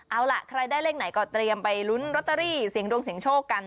เอาล่ะใครได้เลขไหนก็เตรียมไปลุ้นลอตเตอรี่เสียงดวงเสียงโชคกัน